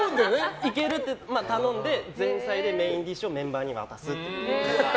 いけるって頼んで前菜でメインディッシュをメンバーに渡すという。